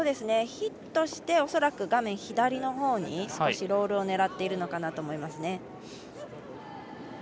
ヒットして恐らく画面左のほうに少しロールを狙っているのかなと思います。